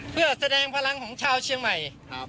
เพื่อแสดงพลังของชาวเชียงใหม่